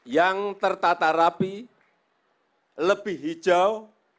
yang tertata rapi lebih hijau